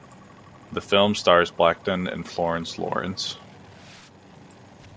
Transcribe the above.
The film stars Blackton and Florence Lawrence.